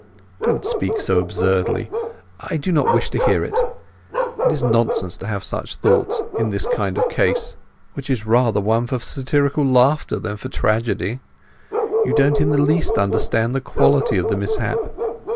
"Don't speak so absurdly—I wish not to hear it. It is nonsense to have such thoughts in this kind of case, which is rather one for satirical laughter than for tragedy. You don't in the least understand the quality of the mishap.